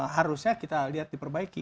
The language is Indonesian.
harusnya kita lihat diperbaiki